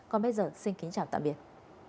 còn bây giờ xin kính chào tạm biệt